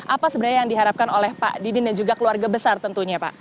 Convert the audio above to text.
apa sebenarnya yang diharapkan oleh pak didin dan juga keluarga besar tentunya pak